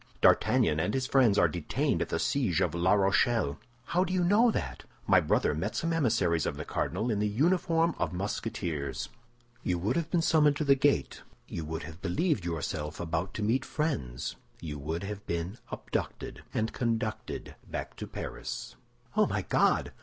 D'Artagnan and his friends are detained at the siege of La Rochelle." "How do you know that?" "My brother met some emissaries of the cardinal in the uniform of Musketeers. You would have been summoned to the gate; you would have believed yourself about to meet friends; you would have been abducted, and conducted back to Paris." "Oh, my God!